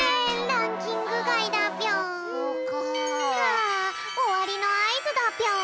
あおわりのあいずだぴょん。